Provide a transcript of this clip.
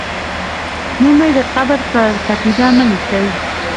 نوم مې د قبر پر کتیبه مه لیکئ